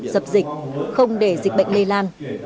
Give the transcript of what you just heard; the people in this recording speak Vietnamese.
dập dịch không để dịch bệnh lây lan